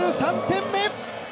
２３点目！